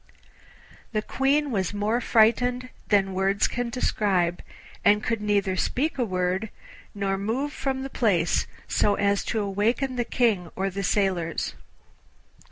The Queen was more frightened than words can describe, and could neither speak a word nor move from the place so as to awaken the King or the sailors.